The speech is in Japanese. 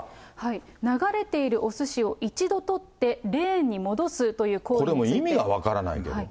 流れているおすしを一度取って、レーンに戻すという行為につこれも意味が分からないけど。